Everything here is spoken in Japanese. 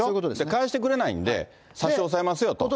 返してくれないんで、差し押さえますよと。